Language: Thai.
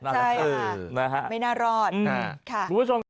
ใช่ค่ะไม่น่ารอด